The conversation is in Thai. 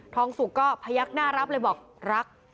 งสุกก็พยักหน้ารับเลยบอกรัก